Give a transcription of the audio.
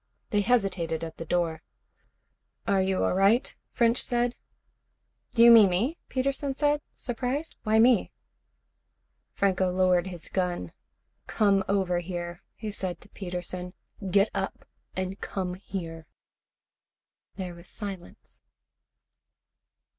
They hesitated at the door. "Are you all right?" French said. "Do you mean me?" Peterson said, surprised. "Why me?" Franco lowered his gun. "Come over here," he said to Peterson. "Get up and come here." There was silence.